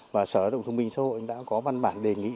và sở hợp động thông minh xã hội đã có văn bản đề nghị